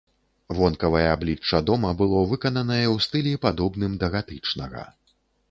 Вонкавае аблічча дома было выкананае ў стылі, падобным да гатычнага.